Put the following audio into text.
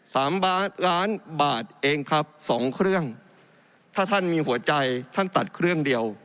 สามล้านบาทเองครับสองเครื่องถ้าท่านมีหัวใจท่านตัดเครื่องเดียว